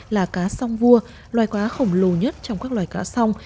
là cá song vuông loài cá khổng lồ nhất trong các loài cá song